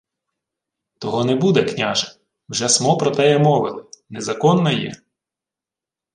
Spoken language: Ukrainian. — Того не буде, княже. Вже смо про теє мовили. Незаконно є.